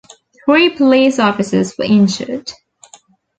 Three police officers were injured.